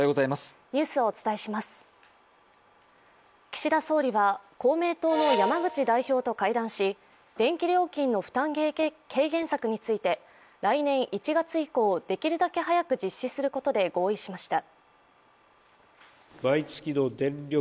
岸田総理は公明党の山口代表と会談し電気料金の負担軽減策について来年１月以降、できるだけ早く実施することで合意しました。